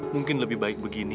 mungkin lebih baik begini